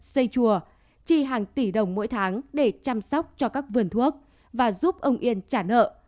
xây chùa chi hàng tỷ đồng mỗi tháng để chăm sóc cho các vườn thuốc và giúp ông yên trả nợ